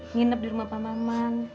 nginap di rumah pak maman